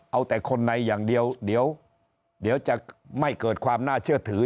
เอาแต่คนในอย่างเดียวเดี๋ยวจะไม่เกิดความน่าเชื่อถือ